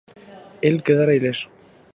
El quedara ileso.